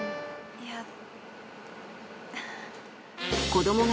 いや。